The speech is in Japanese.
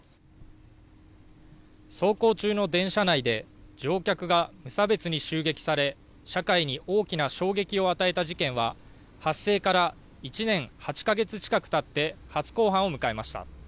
走行中の電車内で乗客が無差別に襲撃され社会に大きな衝撃を与えた事件は発生から１年８か月近くたって初公判を迎えました。